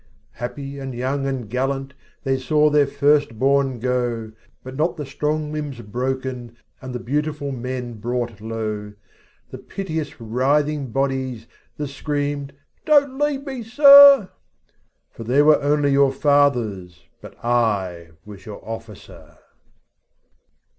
Happy and young and gallant, They saw their first bom go, 41 But not the strong limbs broken And the beautiful men brought low, The piteous writhing bodies, The screamed, " Don't leave me, Sir," For they were only your fathers But I was your officer.